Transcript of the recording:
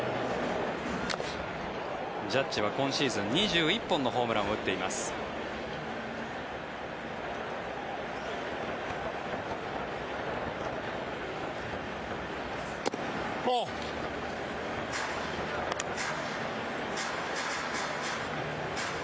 ジャッジは今シーズン２１本のホームランを打っています。